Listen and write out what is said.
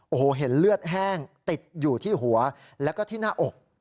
โอ้โหเห็นเลือดแห้งติดอยู่ที่หัวแล้วก็ที่หน้าอก